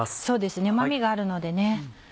そうですねうま味があるので。